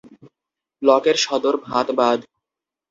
ব্লকের সদর ভাতবাঁধ।